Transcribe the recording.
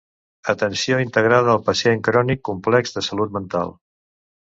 Atenció integrada al pacient crònic complex de salut mental.